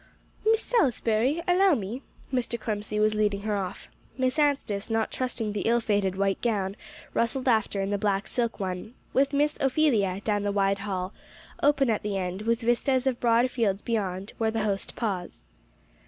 "Miss Salisbury, allow me." Mr. Clemcy was leading her off. Miss Anstice, not trusting the ill fated white gown, rustled after in the black silk one, with Miss Ophelia, down the wide hall, open at the end, with vistas of broad fields beyond, where the host paused.